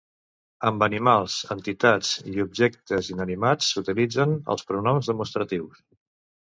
Amb animals, entitats i objectes inanimats s'utilitzen els pronoms demostratius.